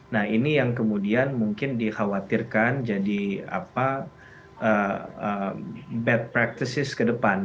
nah ini yang kemudian mungkin dikhawatirkan jadi bed practices ke depan